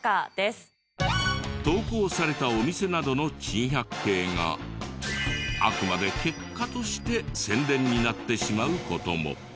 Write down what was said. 投稿されたお店などの珍百景があくまで結果として宣伝になってしまう事も。